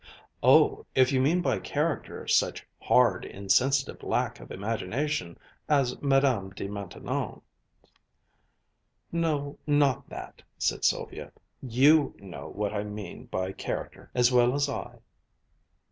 "Oh, if you mean by character such hard, insensitive lack of imagination as Madame de Maintenon's " "No, not that," said Sylvia. "You know what I mean by character as well as I."